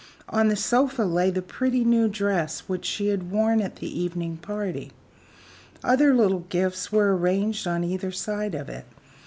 On the sofa lay the pretty new dress which she had worn at the evening party. Other little gifts were arranged on either side of it.